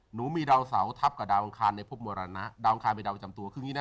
หนูมีดาวเสาทัพกับดาวอังคารในภพมรณะดาวอังคารเป็นดาวประจำตัว